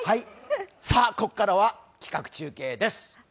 さぁ、ここからは企画中継です。